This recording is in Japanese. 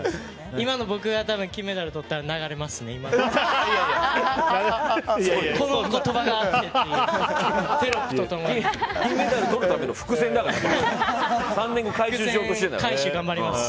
今の僕が金メダルとったらこれが流れますね。